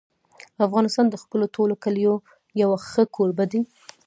افغانستان د خپلو ټولو کلیو یو ښه کوربه دی.